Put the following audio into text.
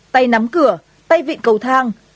tay nắm cửa tay vịn cầu thang